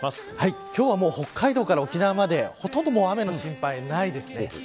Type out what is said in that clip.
今日は北海道から沖縄までほとんど雨の心配ないですね。